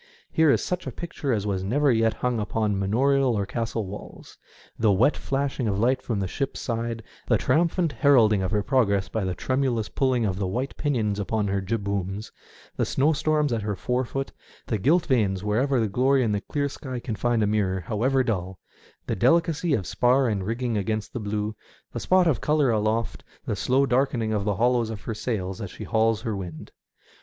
Here is such a picture as was never yet hung upon manorial or castle walls — the wet flashing of light from the ship's side, the triumphant heralding of her progress by the tremulous pulling of the white pinions upon her jibbooms, the snowstorm at her forefoot, the gilt veins wherever the glory in the clear sky can find a mirror, however dull ; the delicacy of spar and rigging against the blue ; the spot of colour aloft ; the slow darkening of the hollows of her sails as she hauls her wind.